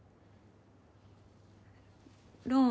ローン